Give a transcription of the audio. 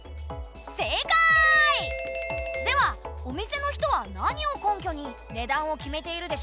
正解！ではお店の人は何を根拠に値段を決めているでしょうか？